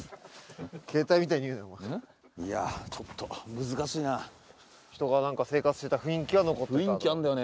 携帯みたいに言うないやちょっと難しいな人が生活してた雰囲気は残ってたと雰囲気あんだよね